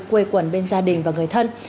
quê quần bên gia đình và người thân